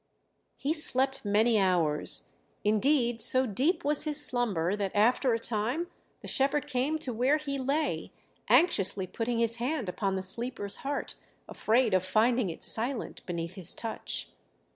He slept many hours; indeed, so deep was his slumber that after a time the shepherd came to where he lay, anxiously putting his hand upon the sleeper's heart, afraid of finding it silent beneath his touch.